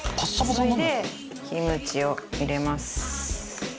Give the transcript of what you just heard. それで、キムチを入れます。